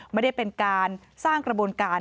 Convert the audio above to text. ไม่ได้เป็นการสร้างกระบวนการ